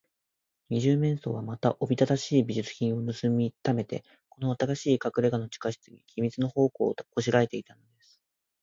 二十面相は、また、おびただしい美術品をぬすみためて、この新しいかくれがの地下室に、秘密の宝庫をこしらえていたのです。